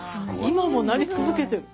今もなり続けてる。